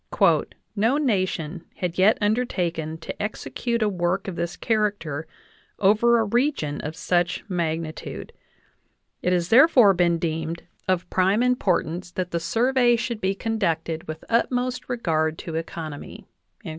"No nation had yet undertaken to execute a work of this character over a region of such magnitude. It has therefore been deemed of So JOHN WESLIvY POWELL DAVIS prime importance that the survey should be conductecl with utmost regard to economy."